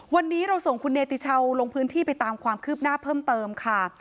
วันนี้เราส่งคุณเนติชาวลงพื้นที่ไปตามความคืบหน้าเพิ่มเติมค่ะ